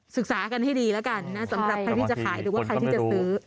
ศึกษากันให้ดีแล้วกันนะสำหรับใครที่จะขายหรือว่าใครที่จะซื้อ